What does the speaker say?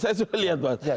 saya sudah lihat mas